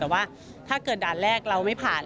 แต่ว่าถ้าเกิดด่านแรกเราไม่ผ่าน